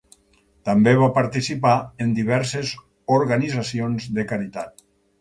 També va participar en diverses organitzacions de caritat.